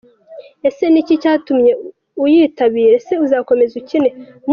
Ese niki cyatumye uyitabira? Ese uzakomeza ukine?.